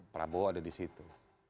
prabowo ada disitu